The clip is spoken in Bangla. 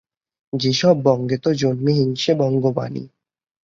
‘যেসব বঙ্গেত জন্মি হিংসে বঙ্গবাণী।